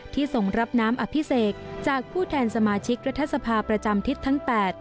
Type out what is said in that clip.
ส่งรับน้ำอภิเษกจากผู้แทนสมาชิกรัฐสภาประจำทิศทั้ง๘